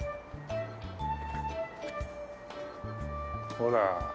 ほら。